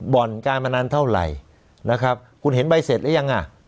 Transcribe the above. บ่อนการบัญญาณเท่าไรนะครับคุณเห็นใบเสร็จแล้วยังอะ